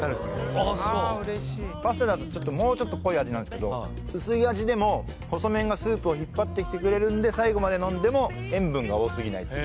あっそうパスタだともうちょっと濃い味なんすけど薄い味でも細麺がスープを引っ張ってきてくれるんで最後まで飲んでも塩分が多すぎないっていう